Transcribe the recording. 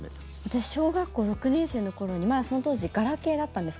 私、小学校６年生の頃にその当時ガラケーだったんです。